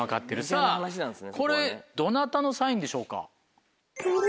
さぁこれどなたのサインでしょうか？